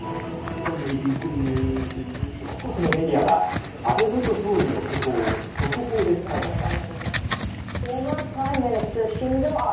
各国のメディアは安倍元総理の訃報を速報で伝えました。